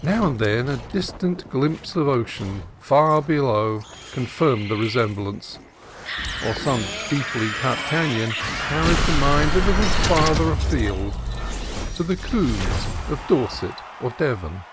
Now and then a distant glimpse of ocean far below confirmed the resemblance, or some deeply cut canon carried the mind a little farther afield to the combes of Dorset or Devon.